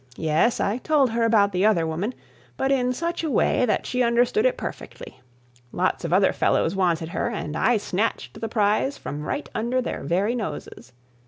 Yes, I told her about the other woman, but in such a way that she understood it perfectly. Lots of other fellows wanted her and I snatched the prize from right under their very noses.